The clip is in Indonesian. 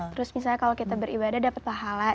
terus misalnya kalau kita beribadah dapat pahala